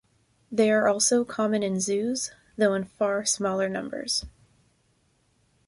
They also are common in zoos, though in far smaller numbers.